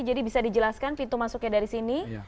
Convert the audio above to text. jadi bisa dijelaskan pintu masuknya dari sini